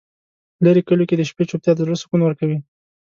په لرې کلیو کې د شپې چوپتیا د زړه سکون ورکوي.